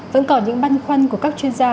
vẫn còn những băn khoăn của các chuyên gia